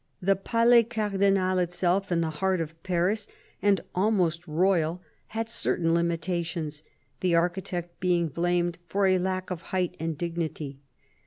The Palais Cardinal itself, in the heart of Paris and almost royal, had certain limitations, the architect being blamed for a lack of height and dignity.